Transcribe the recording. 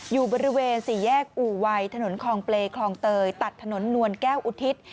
อยู่บริเวณสี่แยกอู่วัยถนนคลองเปรย์คลองเตยตัดถนนนวลแก้วอุทิศ